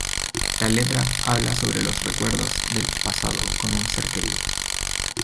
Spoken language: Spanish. La letra habla sobre los recuerdos del pasado con un ser querido.